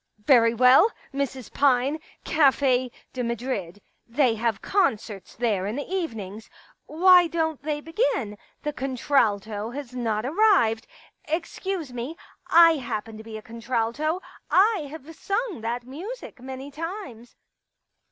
*... Very well, Mrs. Pine. Cafe de Madrid. They have concerts there in the evenings. ...' Why don't they begin ?' The contralto has not arrived. ...* Excuse me, I happen to be a contralto ; I have sung that music many times."